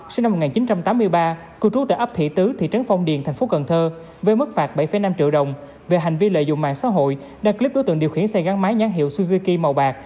sinh năm một nghìn chín trăm tám mươi ba cư trú tại ấp thị tứ thị trấn phong điền thành phố cần thơ với mức phạt bảy năm triệu đồng về hành vi lợi dụng mạng xã hội đăng clip đối tượng điều khiển xe gắn máy nhãn hiệu suzuki màu bạc